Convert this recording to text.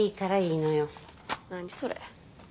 何それ。